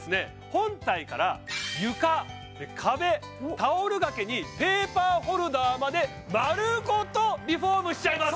本体から床壁タオル掛けにペーパーホルダーまで丸ごとリフォームしちゃいます